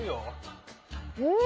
うん！